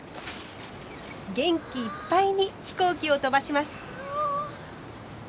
元気いっぱいに飛行機を飛ばします。